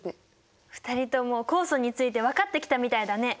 ２人とも酵素について分かってきたみたいだね！